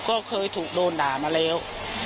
ก็เคยถูกโดนด่ามาแล้ว